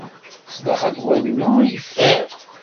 Sdaxel wanu i yeffer.